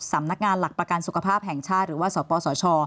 สำนักงานหลักประกันสุขภาพแห่งชาติหรือว่าสปสช